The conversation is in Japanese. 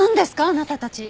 あなたたち。